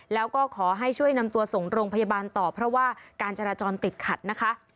แล้วก็ขอให้ช่วยนำตัวส่งโรงพยาบาลต่อเพราะว่าการจราจรติดขัดนะคะ